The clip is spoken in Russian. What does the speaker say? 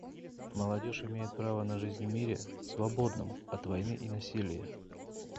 Молодежь имеет право на жизнь в мире, свободном от войны и насилия.